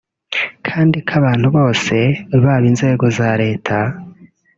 kandi ko abantu bose ; baba inzego za Leta